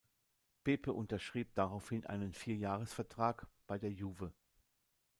Pepe unterschrieb daraufhin einen Vier-Jahres-Vertrag bei der "Juve".